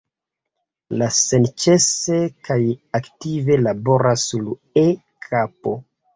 Li senĉese kaj aktive laboras sur E-kampo.